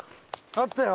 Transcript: あったよ！